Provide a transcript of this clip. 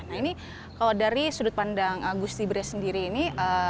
nah ini kalau dari sudut pandang gustibri sendiri ini